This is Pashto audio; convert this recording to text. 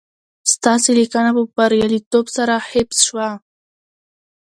ستاسي لېنکه په برياليتوب سره حفظ شوه